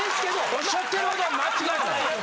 おっしゃってることは間違いない。